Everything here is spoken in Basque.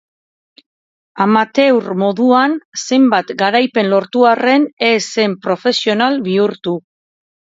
Amateur moduan zenbait garaipen lortu arren ez zen profesional bihurtu.